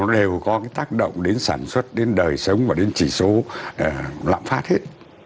đều có cái tác động đến sản xuất đến đời sống và đến chỉ số lạm phát hết